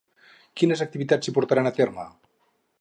Quines activitats s'hi portaran a terme?